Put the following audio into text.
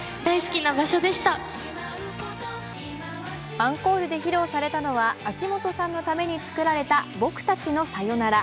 アンコールで披露されたのは、秋元さんのために作られた「僕たちのサヨナラ」。